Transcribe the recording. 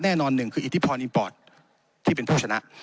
แน่นอนหนึ่งคืออิทธิพรอินปอร์ตที่เป็นผู้ชนะ